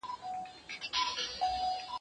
توا زه سړی نه يم .